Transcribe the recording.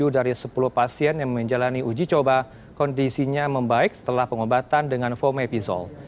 tujuh dari sepuluh pasien yang menjalani uji coba kondisinya membaik setelah pengobatan dengan fomepizol